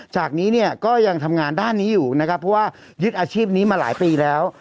จากนี้เนี่ยก็ยังทำงานด้านนี้อยู่นะครับเพราะว่ายึดอาชีพนี้มาหลายปีแล้ว